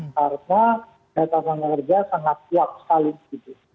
karena data pengajar sangat kuat sekali gitu